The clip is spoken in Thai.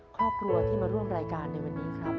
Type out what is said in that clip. ครอบครัวที่มาร่วมรายการในวันนี้ครับ